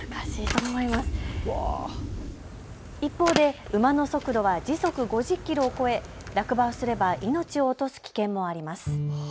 一方で馬の速度は時速５０キロを超え、落馬をすれば命を落とす危険もあります。